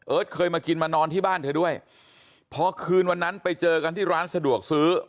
เคยมากินมานอนที่บ้านเธอด้วยพอคืนวันนั้นไปเจอกันที่ร้านสะดวกซื้อ